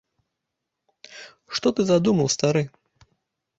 Што ты задумаў, стары?!